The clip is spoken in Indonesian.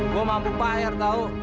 gue mampu bayar tahu